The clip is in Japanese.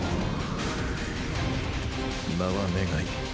名は願い。